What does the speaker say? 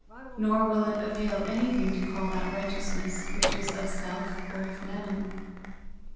Nor will it avail anything to call that righteousness which is of Self or of Mammon.